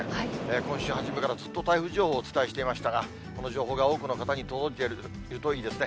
今週初めからずっと台風情報をお伝えしていましたが、この情報が多くの方に届いているといいですね。